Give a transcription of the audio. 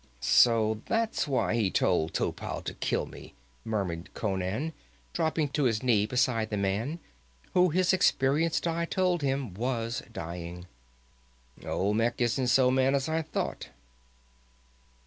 "So that's why he told Topal to kill me!" murmured Conan, dropping to his knee beside the man, who his experienced eye told him was dying. "Olmec isn't so mad as I thought."